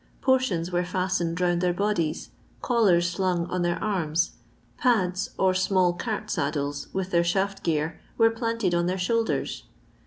Portions were fastened round their bodies, collars slung on their arms, pads or small cart saddles, with their shaft gear, were planted on their shoulders.